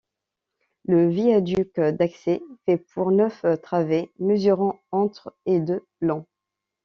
Le viaduc d'accès fait pour neuf travées mesurant entre et de long.